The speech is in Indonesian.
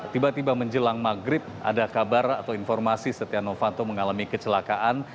tiba tiba menjelang maghrib ada kabar atau informasi setia novanto mengalami kecelakaan